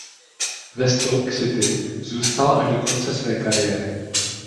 Ve Stoke City zůstal až do konce své kariéry.